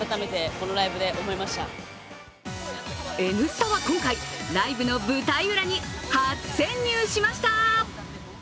「Ｎスタ」は今回、ライブの舞台裏に初潜入しました。